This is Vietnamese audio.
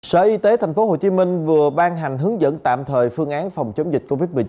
sở y tế tp hcm vừa ban hành hướng dẫn tạm thời phương án phòng chống dịch covid một mươi chín